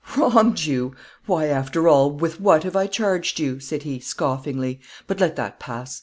"Wronged you! why, after all, with what have I charged you?" said he, scoffingly; "but let that pass.